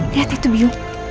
lihat itu bium